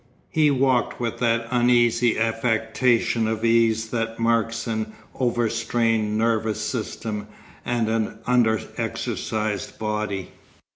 He walked with that uneasy affectation of ease that marks an overstrained nervous system and an under exercised body.